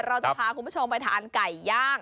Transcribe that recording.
เราจะพาคุณผู้ชมไปทานไก่ย่าง